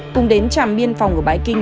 cùng đến trạm biên phòng ở bãi kinh